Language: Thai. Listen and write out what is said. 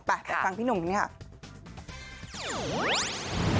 ไปฟังพี่หนุ่มซิฟิฮะ